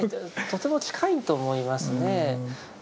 とても近いと思いますね。